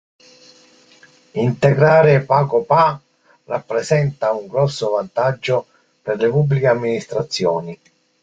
Integrare PagoPA rappresenta un grosso vantaggio per le Pubbliche Amministrazioni.